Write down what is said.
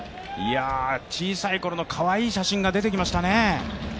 小さいころのかわいい写真が出てきましたね。